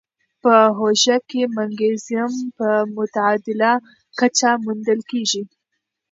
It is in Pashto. په هوږه کې مګنيزيم په معتدله کچه موندل کېږي.